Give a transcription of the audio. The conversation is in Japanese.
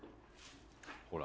ほら。